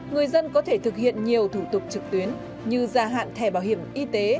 người dân có thể thực hiện nhiều thủ tục trực tuyến như gia hạn thẻ bảo hiểm y tế